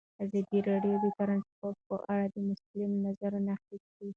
ازادي راډیو د ترانسپورټ په اړه د مسؤلینو نظرونه اخیستي.